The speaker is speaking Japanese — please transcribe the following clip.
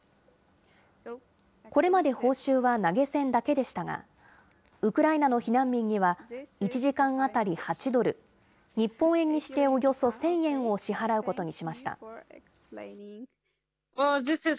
これまで報酬は投げ銭だけでしたが、ウクライナの避難民には、１時間当たり８ドル、日本円にしておよそ１０００円を支払うことにしました。